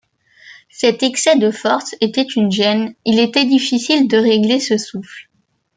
Cet excès de force était une gêne ; il était difficile de régler ce souffle.